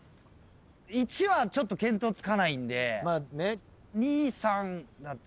１はちょっと見当つかないんで２・３だったら。